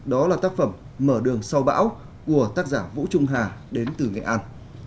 đó là tác phẩm mở đường sau bão của tác giả vũ trung hà đến từ nghệ an